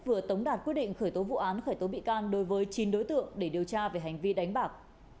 vừa tống đạt quyết định khởi tố vụ án khởi tố bị can đối với chín đối tượng để điều tra về hành vi đánh bạc